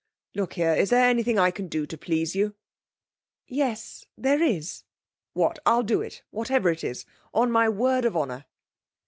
'Look here, is there anything I can do to please you?' 'Yes, there is.' 'What? I'll do it, whatever it is, on my word of honour.'